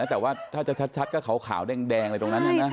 แต่ว่าถ้าจะชัดก็ขาวแดงอะไรตรงนั้นนะ